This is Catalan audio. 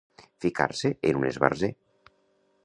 Ficar-se en un esbarzer.